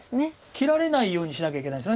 切られないようにしなきゃいけないです。